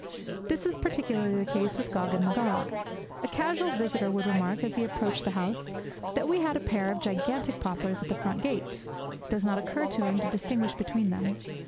That is particularly the case with Gog and Magog. A casual visitor would remark, as he approached the house, that we had a pair of gigantic poplars at the front gate. It does not occur to him to distinguish between them.